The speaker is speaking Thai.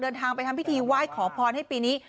เดินทางไปทำพิธีไหว้ขอพรให้ปีนี้